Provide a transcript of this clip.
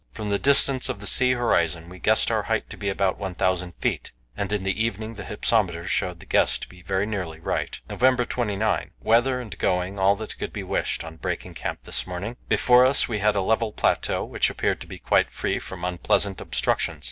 From the distance of the sea horizon we guessed our height to be about 1,000 feet, and in the evening the hypsometer showed the guess to be very nearly right. November 29. Weather and going all that could be wished on breaking camp this morning; before us we had a level plateau, which appeared to be quite free from unpleasant obstructions.